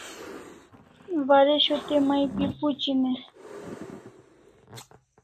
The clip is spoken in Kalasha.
Waresho te mai pi phuchin e?